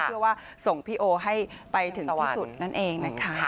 เพื่อว่าส่งพี่โอให้ไปถึงที่สุดนั่นเองนะคะ